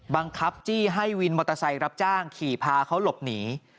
บังคับจี้ให้วินมอเตอร์ไซค์รับจ้างขี่พาเขาหลบหนี